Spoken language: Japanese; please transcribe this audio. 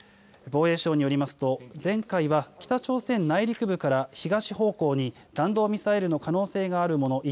防衛省によりますと前回は北朝鮮内陸部から東方向に弾道ミサイルの可能性があるもの